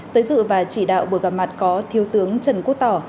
tới dự và chỉ đạo buổi gặp mặt có thiếu tướng trần quốc tỏ